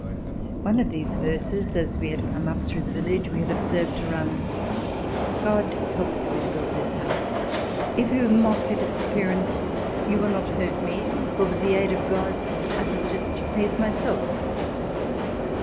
One of these verses as we had come up through the village we had observed to run :" God helped me to build this house. If you mock at its appearance you will not hurt me, for with the aid of God I built it to please myself."